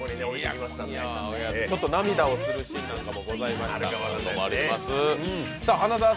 ちょっと涙をするシーンなんかもあります。